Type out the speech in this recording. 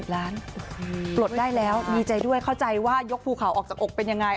ปลดได้แล้วดีใจด้วยเข้าใจว่ายกภูเขาออกจากอกเป็นยังไง